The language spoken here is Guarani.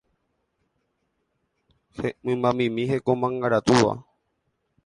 mymbamimi hekomarangatúva